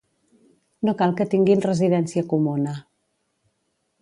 No cal que tinguin residència comuna.